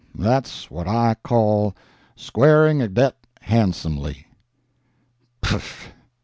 That's what I call squaring a debt handsomely." "Piff!"